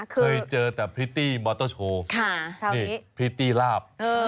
เคยเจอแต่พริตตี้มอเตอร์โชว์นี่พริตตี้ลาบ